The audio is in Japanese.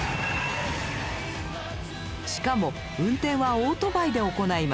しかも運転はオートバイで行います。